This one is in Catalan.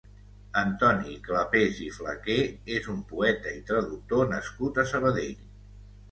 Antoni Clapés i Flaqué és un poeta i traductor nascut a Sabadell.